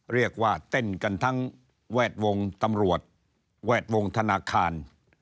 เรียกว่าเต้นกันทั้งแวดวงตำรวจแวดวงธนาคาร